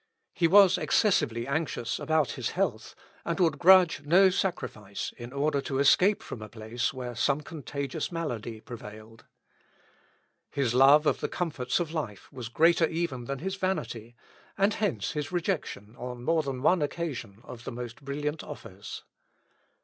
He was excessively anxious about his health, and would grudge no sacrifice in order to escape from a place where some contagious malady prevailed. His love of the comforts of life was greater even than his vanity, and hence his rejection, on more than one occasion, of the most brilliant offers.